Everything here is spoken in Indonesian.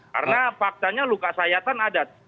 karena faktanya luka sayatan ada